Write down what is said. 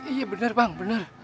iya bener bang bener